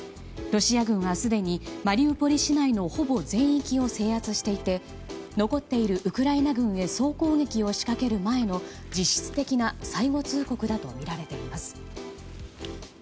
ロシア軍はすでにマリウポリ市内のほぼ全域を制圧していて残っているウクライナ軍へ総攻撃を仕掛ける前の実質的な最後通告だとみられています。